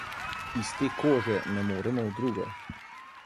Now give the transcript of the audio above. Iz te kože ne moremo v drugo.